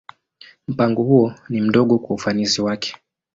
Mpango huo ni mdogo kwa ufanisi wake.